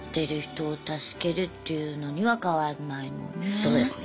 そうですね。